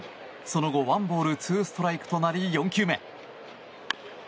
その後１ボール２ストライクとなり４球目。